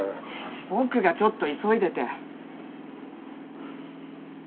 僕がちょっと急いでて。